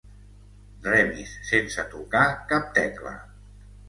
Remis sense tocar cap tecla.